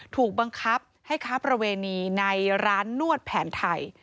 ถูกบังคับให้ค้าประเวณีในร้านนวดแผนไทย